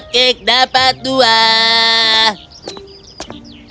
bayar satu cupcake dapat dua bayar satu cupcake dapat dua